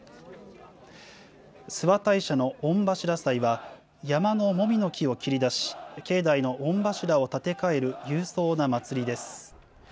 諏訪大社の御柱祭は、山のモミの木を切り出し、境内の御柱を建て替える勇壮な祭りです。